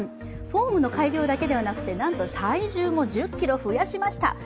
フォームの改良だけでなく、体重も１０ｋｇ増やしました。